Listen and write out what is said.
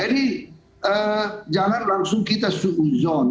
jadi jangan langsung kita subuzon